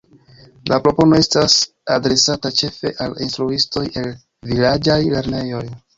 La propono estas adresata ĉefe al instruistoj el vilaĝaj lernejoj.